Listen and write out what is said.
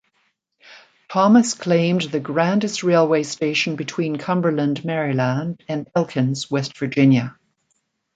Thomas claimed the grandest railway station between Cumberland, Maryland, and Elkins, West Virginia.